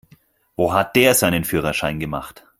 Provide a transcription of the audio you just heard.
Wo hat der seinen Führerschein gemacht?